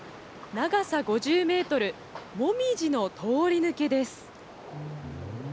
長さ５０メートル、モミジの通り抜けです。